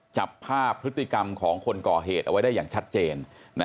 จับภาพพฤติกรรมของคนก่อเหตุเอาไว้ได้อย่างชัดเจน